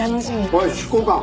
おい執行官。